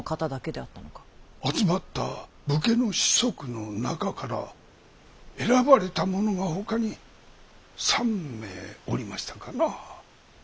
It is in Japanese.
集まった武家の子息の中から選ばれた者がほかに３名おりましたかな。